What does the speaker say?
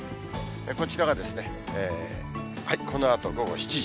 こちらがこのあと午後７時。